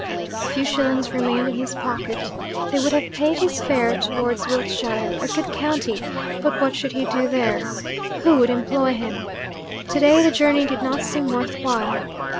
A few shillings remained in his pocket. They would have paid his fare towards Wiltshire, a good county; but what should he do there? Who would employ him? Today the journey did not seem worth while.